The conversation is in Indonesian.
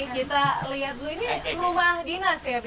kita lihat dulu ini rumah dinas ya pak